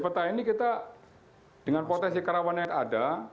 peta ini kita dengan potensi kerawanan yang ada